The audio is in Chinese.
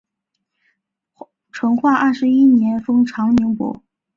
成化二十一年封长宁伯。